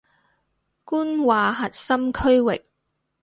官話核心區域